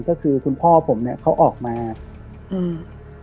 ก็คือคุณพ่อผมเนี้ยเขาออกมาอืม